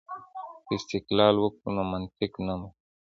که استدلال وکړو نو منطق نه مري.